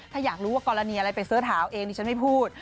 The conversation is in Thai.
ถ้าอยากรู้ว่ากรณีอะไรไปเสิร์ชเท้าเองดิฉันไม่พูด